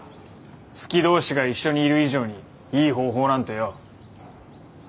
好き同士が一緒にいる以上にいい方法なんてよ。